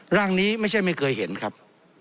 ร่างนี้ไม่ใช่ไม่เคยเห็นครับ